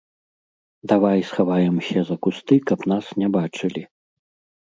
Давай схаваемся за кусты, каб нас не бачылі.